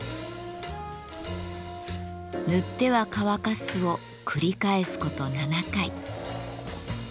塗っては乾かすを繰り返すこと７回。